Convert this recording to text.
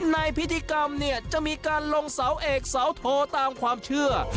ในพิธีกรรมเนี่ยจะมีการลงเสาเอกเสาโทตามความเชื่อ